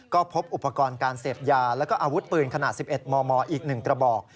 ก็พบอุปกรณ์การเสพยาแล้วก็อาวุธปืนขนาด๑๑มมอีก๑กระบอก